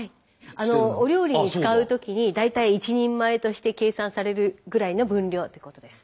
お料理に使うときに大体１人前として計算されるぐらいの分量ってことです。